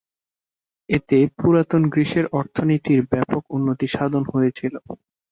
এতে পুরাতন গ্রিসের অর্থনীতির ব্যাপক উন্নতি সাধন হয়েছিল।